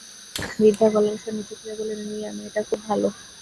বৃদ্ধা গলার স্বর নিচু করে বললেন, মিয়া মেয়েটা খুব ভালো।